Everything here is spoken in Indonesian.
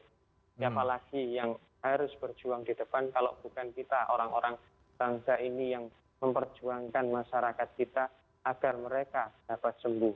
siapa lagi yang harus berjuang di depan kalau bukan kita orang orang bangsa ini yang memperjuangkan masyarakat kita agar mereka dapat sembuh